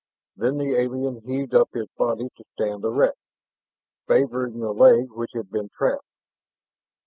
Then the alien heaved up his body to stand erect, favoring the leg which had been trapped.